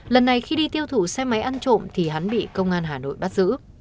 lần này khi đi tiêu thụ xe máy ăn trộm thì hắn bị công an hà nội bắt giữ